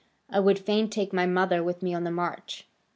I would fain take my mother with me on the march."